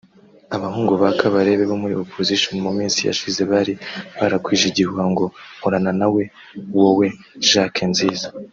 Abahungu ba Kabarebe bo muri opposition mu minsi yashize bari barakwije igihuha ngo nkorana nawe wowe Jack Nziza